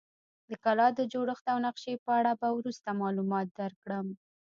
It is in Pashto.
د کلا د جوړښت او نقشې په اړه به وروسته معلومات درکړم.